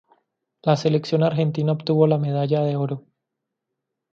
La Selección Argentina obtuvo la medalla de oro.